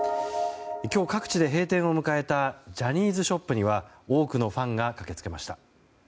今日、各地で閉店を迎えたジャニーズショップには多くのファンが駆け付けました。